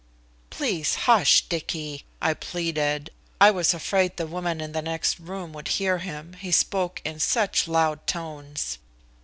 "Please hush, Dicky," I pleaded. I was afraid the woman in the next room would hear him, he spoke in such loud tones.